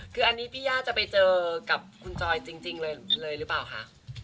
คืออันนี้พี่ย่าจะไปเจอกับคุณจอยจริงเลยหรือเปล่าคะ